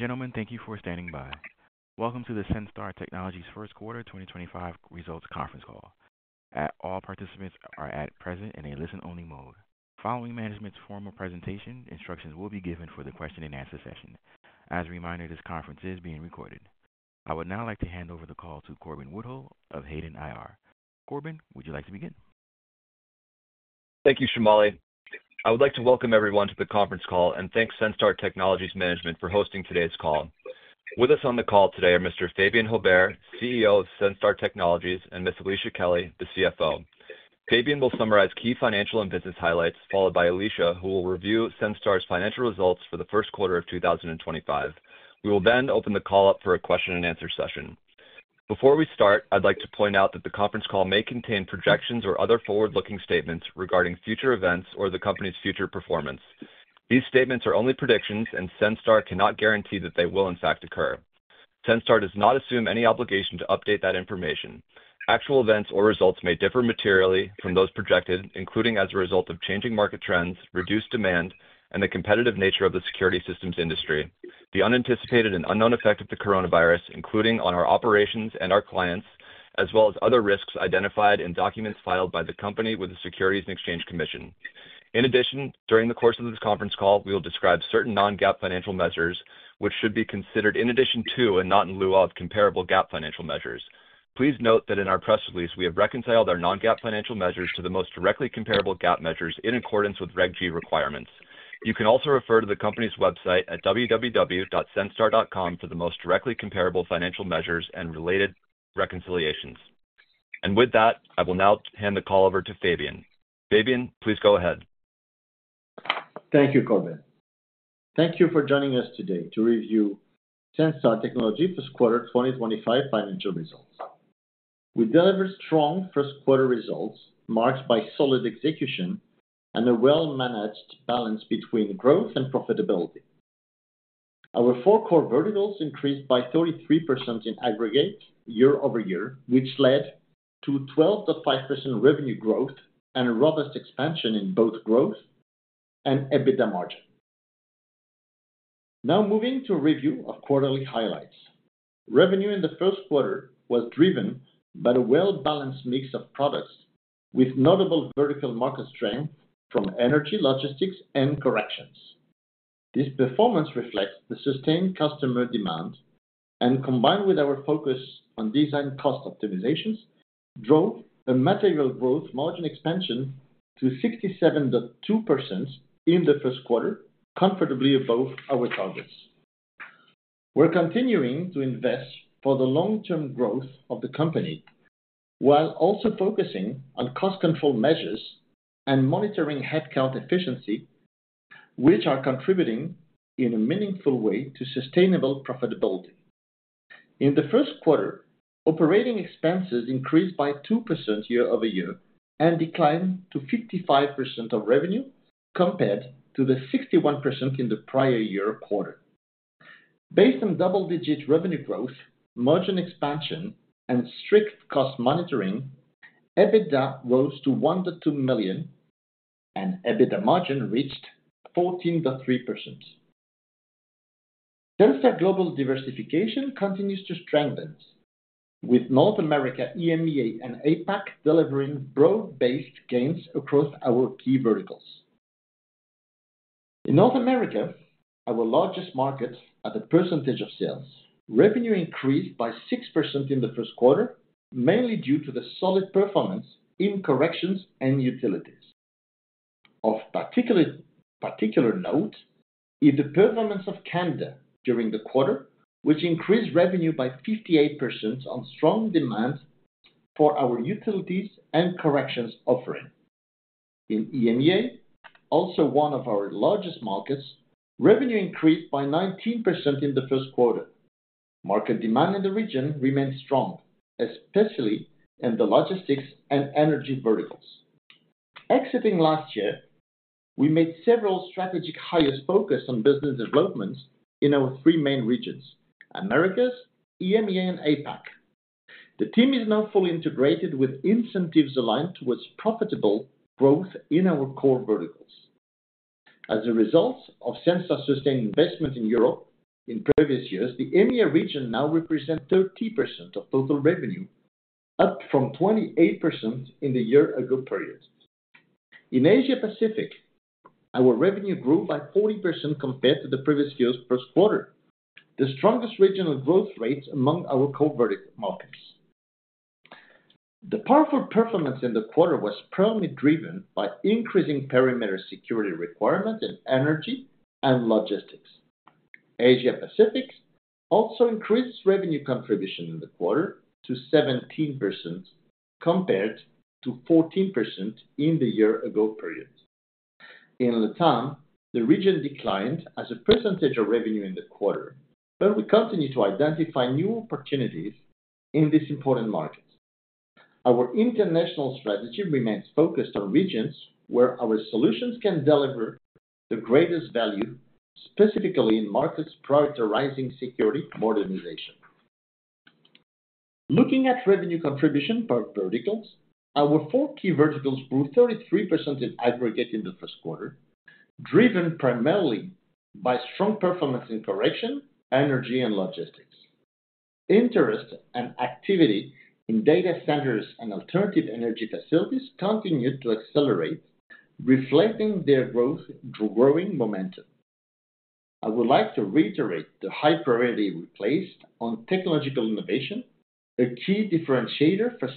Ladies and gentlemen, thank you for standing by. Welcome to the Senstar Technologies' first quarter 2025 results conference call. All participants are present in a listen-only mode. Following management's formal presentation, instructions will be given for the question-and-answer session. As a reminder, this conference is being recorded. I would now like to hand over the call to Corbin Woodhull of Hayden IR. Corbin, would you like to begin? Thank you, Shumali. I would like to welcome everyone to the conference call and thank Senstar Technologies management for hosting today's call. With us on the call today are Mr. Fabien Haubert, CEO of Senstar Technologies, and Ms. Alicia Kelly, the CFO. Fabien will summarize key financial and business highlights, followed by Alicia, who will review Senstar's financial results for the first quarter of 2025. We will then open the call up for a question-and-answer session. Before we start, I'd like to point out that the conference call may contain projections or other forward-looking statements regarding future events or the company's future performance. These statements are only predictions, and Senstar cannot guarantee that they will, in fact, occur. Senstar does not assume any obligation to update that information. Actual events or results may differ materially from those projected, including as a result of changing market trends, reduced demand, and the competitive nature of the security systems industry, the unanticipated and unknown effect of the coronavirus, including on our operations and our clients, as well as other risks identified in documents filed by the company with the Securities and Exchange Commission. In addition, during the course of this conference call, we will describe certain non-GAAP financial measures which should be considered in addition to and not in lieu of comparable GAAP financial measures. Please note that in our press release, we have reconciled our non-GAAP financial measures to the most directly comparable GAAP measures in accordance with Reg G requirements. You can also refer to the company's website at www.senstar.com for the most directly comparable financial measures and related reconciliations. With that, I will now hand the call over to Fabien. Fabien, please go ahead. Thank you, Corbin. Thank you for joining us today to review Senstar Technologies' first quarter 2025 financial results. We delivered strong first-quarter results marked by solid execution and a well-managed balance between growth and profitability. Our four core verticals increased by 33% in aggregate year-over-year, which led to 12.5% revenue growth and a robust expansion in both growth and EBITDA margin. Now, moving to a review of quarterly highlights. Revenue in the first quarter was driven by a well-balanced mix of products with notable vertical market strength from energy, logistics, and corrections. This performance reflects the sustained customer demand, and combined with our focus on design cost optimizations, drove a material gross margin expansion to 67.2% in the first quarter, comfortably above our targets. We're continuing to invest for the long-term growth of the company while also focusing on cost control measures and monitoring headcount efficiency, which are contributing in a meaningful way to sustainable profitability. In the first quarter, operating expenses increased by 2% year-over-year and declined to 55% of revenue compared to the 61% in the prior year quarter. Based on double-digit revenue growth, margin expansion, and strict cost monitoring, EBITDA rose to $1.2 million, and EBITDA margin reached 14.3%. Senstar global diversification continues to strengthen, with North America, EMEA, and APAC delivering broad-based gains across our key verticals. In North America, our largest market at a percentage of sales, revenue increased by 6% in the first quarter, mainly due to the solid performance in corrections and utilities. Of particular note is the performance of Canada during the quarter, which increased revenue by 58% on strong demand for our utilities and corrections offering. In EMEA, also one of our largest markets, revenue increased by 19% in the first quarter. Market demand in the region remained strong, especially in the logistics and energy verticals. Exiting last year, we made several strategic hires focused on business development in our three main regions: Americas, EMEA, and APAC. The team is now fully integrated with incentives aligned towards profitable growth in our core verticals. As a result of Senstar's sustained investment in Europe in previous years, the EMEA region now represents 30% of total revenue, up from 28% in the year-ago period. In Asia-Pacific, our revenue grew by 40% compared to the previous year's first quarter, the strongest regional growth rate among our core vertical markets. The powerful performance in the quarter was primarily driven by increasing perimeter security requirements in energy and logistics. Asia-Pacific also increased revenue contribution in the quarter to 17% compared to 14% in the year-ago period. In Latin America, the region declined as a percentage of revenue in the quarter, but we continue to identify new opportunities in these important markets. Our international strategy remains focused on regions where our solutions can deliver the greatest value, specifically in markets prior to rising security modernization. Looking at revenue contribution per verticals, our four key verticals grew 33% in aggregate in the first quarter, driven primarily by strong performance in corrections, energy, and logistics. Interest and activity in data centers and alternative energy facilities continued to accelerate, reflecting their growth through growing momentum. I would like to reiterate the high priority we placed on technological innovation, a key differentiator for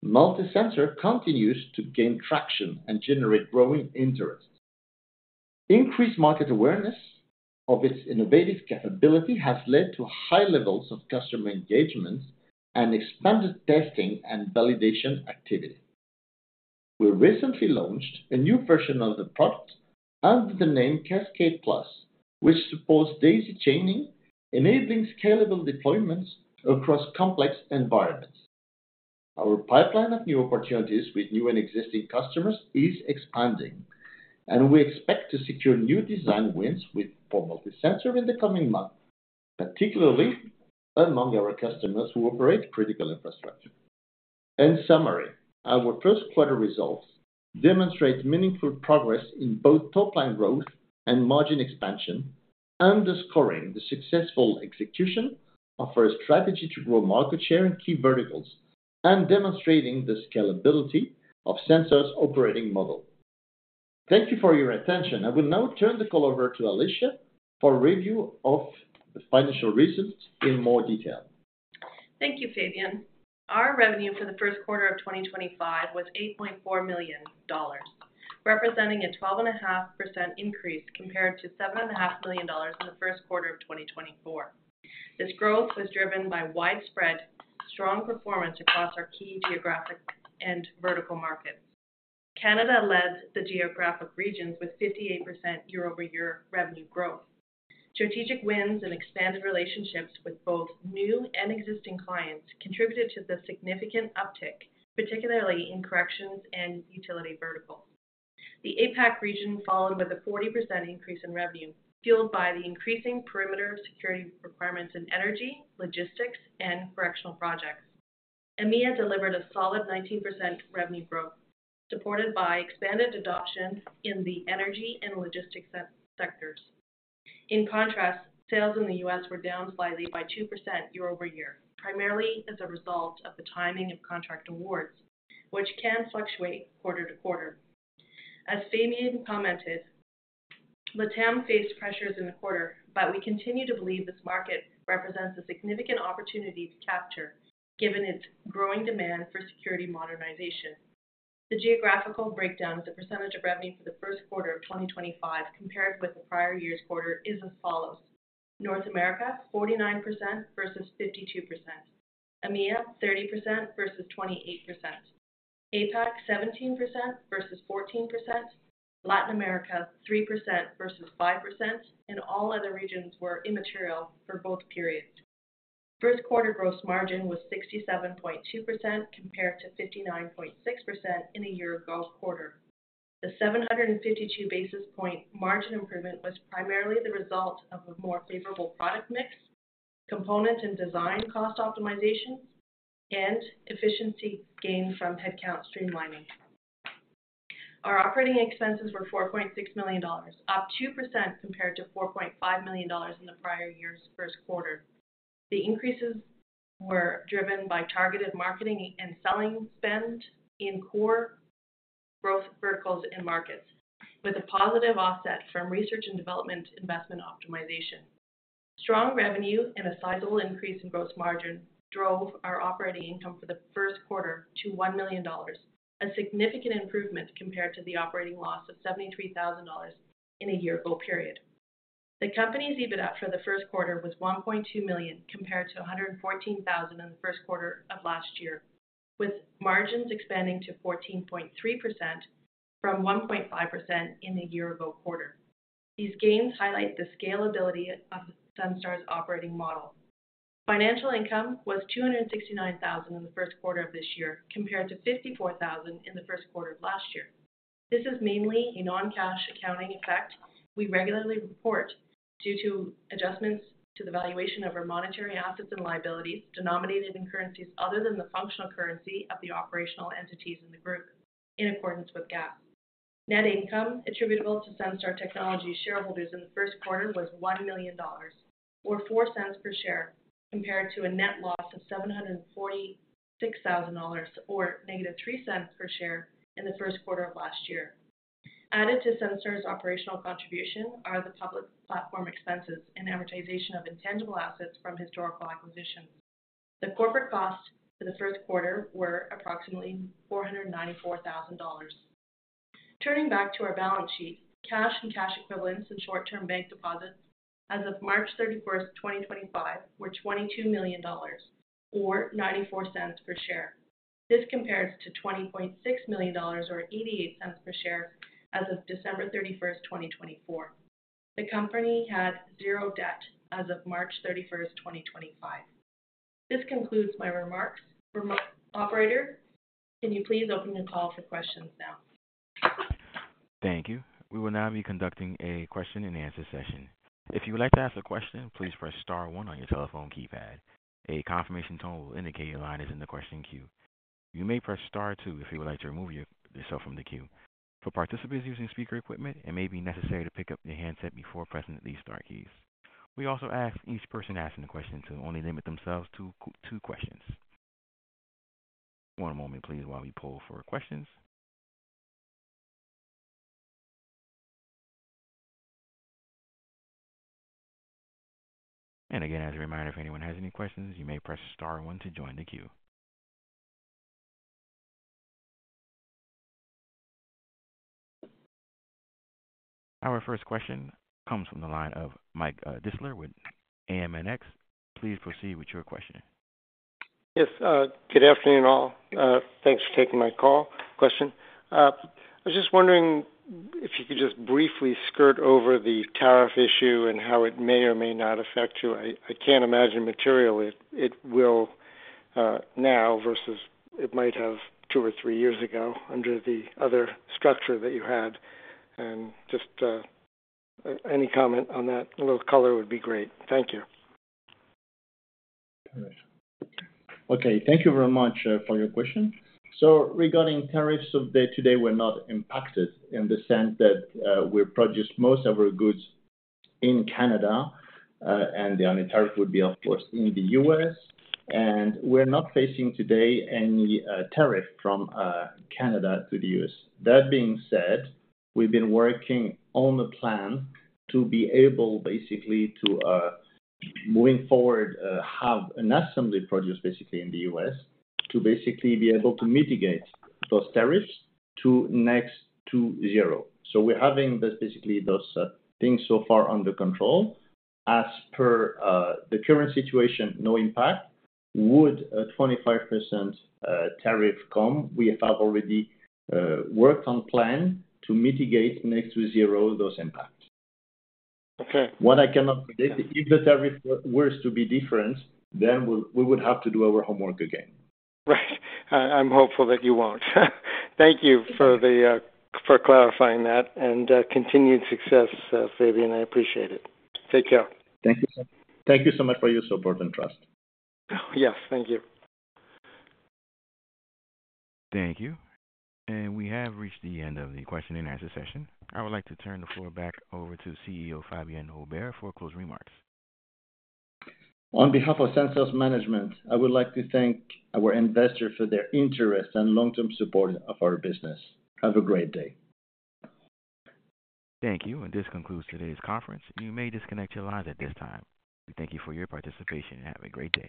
Senstar. MultiSensor continues to gain traction and generate growing interest. Increased market awareness of its innovative capability has led to high levels of customer engagement and expanded testing and validation activity. We recently launched a new version of the product under the name Cascade Plus, which supports daisy-chaining, enabling scalable deployments across complex environments. Our pipeline of new opportunities with new and existing customers is expanding, and we expect to secure new design wins for MultiSensor in the coming months, particularly among our customers who operate critical infrastructure. In summary, our first-quarter results demonstrate meaningful progress in both top-line growth and margin expansion, underscoring the successful execution of our strategy to grow market share in key verticals and demonstrating the scalability of Senstar's operating model. Thank you for your attention. I will now turn the call over to Alicia for a review of the financial results in more detail. Thank you, Fabien. Our revenue for the first quarter of 2025 was $8.4 million, representing a 12.5% increase compared to $7.5 million in the first quarter of 2024. This growth was driven by widespread, strong performance across our key geographic and vertical markets. Canada led the geographic regions with 58% year-over-year revenue growth. Strategic wins and expanded relationships with both new and existing clients contributed to the significant uptick, particularly in corrections and utility verticals. The APAC region followed with a 40% increase in revenue, fueled by the increasing perimeter security requirements in energy, logistics, and correctional projects. EMEA delivered a solid 19% revenue growth, supported by expanded adoption in the energy and logistics sectors. In contrast, sales in the U.S. were down slightly by 2% year-over-year, primarily as a result of the timing of contract awards, which can fluctuate quarter to quarter. As Fabien commented, Latin America faced pressures in the quarter, but we continue to believe this market represents a significant opportunity to capture, given its growing demand for security modernization. The geographical breakdown of the percentage of revenue for the first quarter of 2025 compared with the prior year's quarter is as follows: North America 49% versus 52%, EMEA 30% versus 28%, APAC 17% versus 14%, Latin America 3% versus 5%, and all other regions were immaterial for both periods. First-quarter gross margin was 67.2% compared to 59.6% in a year-ago quarter. The 752 basis point margin improvement was primarily the result of a more favorable product mix, component and design cost optimizations, and efficiency gained from headcount streamlining. Our operating expenses were $4.6 million, up 2% compared to $4.5 million in the prior year's first quarter. The increases were driven by targeted marketing and selling spend in core growth verticals and markets, with a positive offset from research and development investment optimization. Strong revenue and a sizable increase in gross margin drove our operating income for the first quarter to $1 million, a significant improvement compared to the operating loss of $73,000 in a year-ago period. The company's EBITDA for the first quarter was $1.2 million compared to $114,000 in the first quarter of last year, with margins expanding to 14.3% from 1.5% in the year-ago quarter. These gains highlight the scalability of Senstar Technologies' operating model. Financial income was $269,000 in the first quarter of this year compared to $54,000 in the first quarter of last year. This is mainly a non-cash accounting effect we regularly report due to adjustments to the valuation of our monetary assets and liabilities denominated in currencies other than the functional currency of the operational entities in the group, in accordance with GAAP. Net income attributable to Senstar Technologies' shareholders in the first quarter was $1 million, or $0.04 per share, compared to a net loss of $746,000, or negative $0.03 per share in the first quarter of last year. Added to Senstar's operational contribution are the public platform expenses and advertising of intangible assets from historical acquisitions. The corporate costs for the first quarter were approximately $494,000. Turning back to our balance sheet, cash and cash equivalents and short-term bank deposits as of March 31, 2025, were $22 million, or $0.94 per share. This compares to $20.6 million, or $0.88 per share as of December 31, 2024. The company had zero debt as of March 31, 2025. This concludes my remarks. Operator, can you please open the call for questions now? Thank you. We will now be conducting a question-and-answer session. If you would like to ask a question, please press star one on your telephone keypad. A confirmation tone will indicate your line is in the question queue. You may press star two if you would like to remove yourself from the queue. For participants using speaker equipment, it may be necessary to pick up your handset before pressing the Star keys. We also ask each person asking the question to only limit themselves to two questions. One moment, please, while we pull for questions. As a reminder, if anyone has any questions, you may press star one to join the queue. Our first question comes from the line of Mike Distler with AMX. Please proceed with your question. Yes. Good afternoon, all. Thanks for taking my call question. I was just wondering if you could just briefly skirt over the tariff issue and how it may or may not affect you. I can't imagine materially it will now versus it might have two or three years ago under the other structure that you had. Just any comment on that, little color would be great. Thank you. Okay. Thank you very much for your question. Regarding tariffs of the day today, we're not impacted in the sense that we produce most of our goods in Canada, and the only tariff would be, of course, in the U.S. We're not facing today any tariff from Canada to the U.S. That being said, we've been working on a plan to be able, basically, to, moving forward, have an assembly produced basically in the U.S. to basically be able to mitigate those tariffs to next to zero. We're having basically those things so far under control. As per the current situation, no impact. Would a 25% tariff come? We have already worked on a plan to mitigate next to zero those impacts. Okay. What I cannot predict, if the tariff were to be different, then we would have to do our homework again. Right. I'm hopeful that you won't. Thank you for clarifying that and continued success, Fabien. I appreciate it. Take care. Thank you. Thank you so much for your support and trust. Yes. Thank you. Thank you. We have reached the end of the question-and-answer session. I would like to turn the floor back over to CEO Fabien Haubert for closing remarks. On behalf of Senstar Technologies' management, I would like to thank our investors for their interest and long-term support of our business. Have a great day. Thank you. This concludes today's conference. You may disconnect your lines at this time. We thank you for your participation and have a great day.